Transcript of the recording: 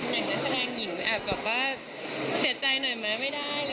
อยากจะแสดงหญิงแบบว่าเสียใจหน่อยไหมไม่ได้